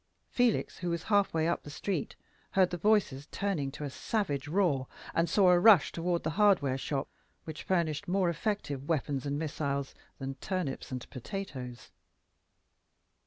Felix, who was half way up the street, heard the voices turning to a savage roar, and saw a rush toward the hardware shop, which furnished more effective weapons and missiles than turnips and potatoes.